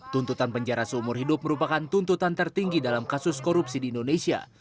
tuntutan penjara seumur hidup merupakan tuntutan tertinggi dalam kasus korupsi di indonesia